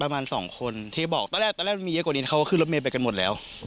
ประมาณสองคนที่บอกตอนแรกตอนแรกมีเยอะกว่านี้เขาก็ขึ้นรถเมย์ไปกันหมดแล้ว